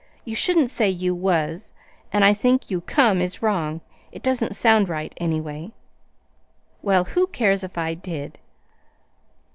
You shouldn't say 'you was'; and I think 'you come' is wrong. It doesn't sound right, anyway." "Well, who cares if I did?"